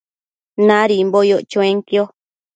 Nadimbo yoc chuenquio